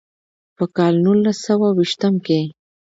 پۀ کال نولس سوه ويشتم کښې